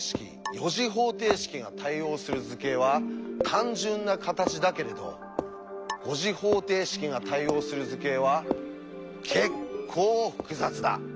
４次方程式が対応する図形は単純な形だけれど５次方程式が対応する図形はけっこう複雑だ。